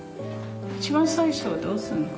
一番最初はどうするの？